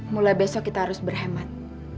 mulai besok kita harus berhemat